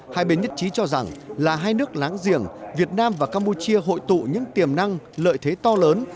hai bên nhất trí cho rằng là hai nước láng giềng việt nam và campuchia hội tụ những tiềm năng lợi thế to lớn